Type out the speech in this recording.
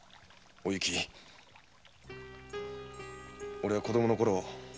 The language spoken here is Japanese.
おれは子供のころ